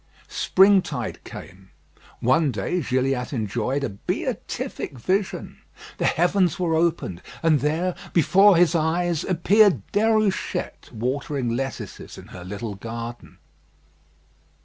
Springtide came. One day Gilliatt enjoyed a beatific vision. The heavens were opened, and there, before his eyes, appeared Déruchette, watering lettuces in her little garden.